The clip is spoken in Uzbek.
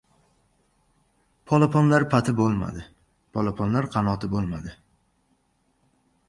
Polaponlar pati bo‘lmadi, polaponlar qanoti bo‘lmadi.